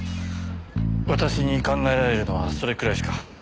私に考えられるのはそれくらいしか。